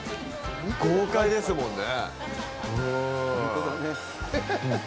豪快ですもんね。